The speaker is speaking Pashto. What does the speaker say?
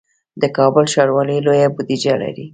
د کابل ښاروالي لویه بودیجه لري